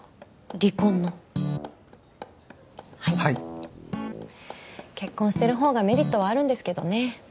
離婚のはいはい結婚してるほうがメリットはあるんですけどね